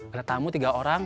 ada tamu tiga orang